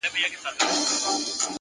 نیک عمل د وجدان سکون زیاتوي